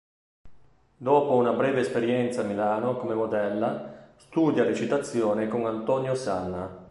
Dopo una breve esperienza a Milano come modella, studia recitazione con Antonio Sanna.